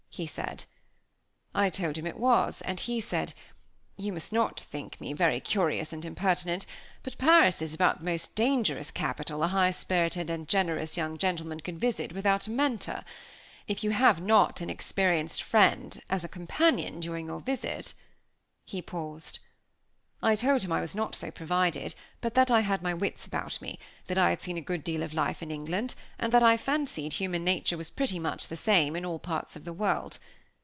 he said. I told him it was, and he said: "You must not think me very curious and impertinent; but Paris is about the most dangerous capital a high spirited and generous young gentleman could visit without a Mentor. If you have not an experienced friend as a companion during your visit ." He paused. I told him I was not so provided, but that I had my wits about me; that I had seen a good deal of life in England, and that I fancied human nature was pretty much the same in all parts of the world.